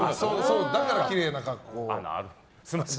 だからきれいな格好を。